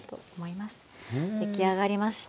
出来上がりました。